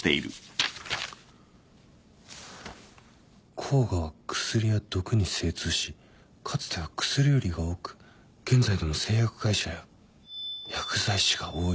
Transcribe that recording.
「甲賀は薬や毒に精通しかつては薬売りが多く現在でも製薬会社や薬剤師が多い」